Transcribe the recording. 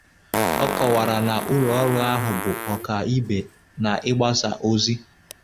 Ọ kọwara na ụlọọrụ ahụ bụ ọkaibe n'ịgbasa ozi